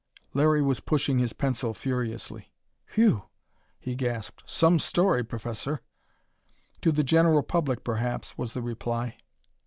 Larry was pushing his pencil furiously. "Whew!" he gasped. "Some story, Professor!" "To the general public, perhaps," was the reply.